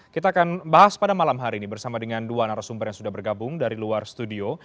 kita akan bahas pada malam hari ini bersama dengan dua narasumber yang sudah bergabung dari luar studio